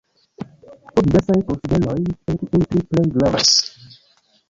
Pro diversaj konsideroj, el kiuj tri plej gravas.